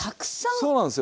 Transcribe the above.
そうなんですよ。